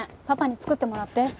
パパに作ってもらって。